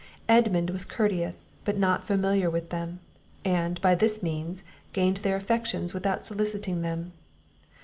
Edmund was courteous, but not familiar with them; and, by this means, gained their affections without soliciting them.